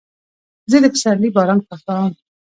زه د پسرلي باران خوښوم.